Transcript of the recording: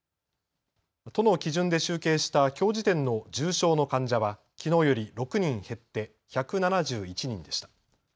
都の基準で集計したきょう時点の重症の患者は、きのうより６人減って１７１人でした。